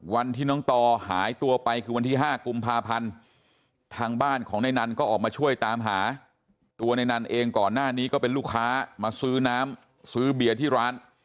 วันที่น้องต่อหายตัวไปคือวันที่๕กุมภาพันธ์ทางบ้านของนายนันก็ออกมาช่วยตามหาตัวในนั้นเองก่อนหน้านี้ก็เป็นลูกค้ามาซื้อน้ำซื้อเบียร์ที่ร้าน